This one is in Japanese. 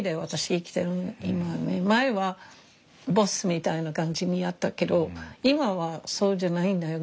前はボスみたいな感じにやったけど今はそうじゃないんだよ。